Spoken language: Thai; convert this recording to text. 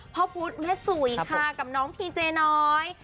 พระพุทธแม่จุ๋ยค่ะกับน้องพีเจน้อย